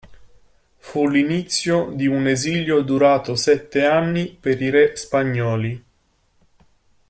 Fu l'inizio di un esilio durato sette anni per i re spagnoli.